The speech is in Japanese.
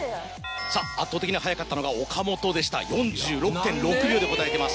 圧倒的に早かったのが岡本でした４６．６秒で答えてます。